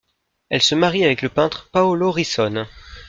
Elle se marie avec le peintre Paolo Rissone.